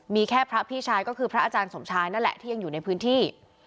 มีแค่พระพี่ชายก็คือพระอาจารย์สมชายนั่นแหละที่ยังอยู่ในพื้นที่